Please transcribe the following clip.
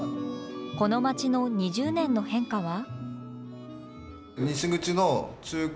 この街の２０年の変化は？